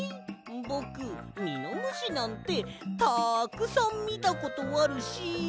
ぼくミノムシなんてたくさんみたことあるし！